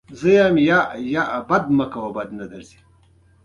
نمک د افغانستان د اقلیمي نظام ښکارندوی ده.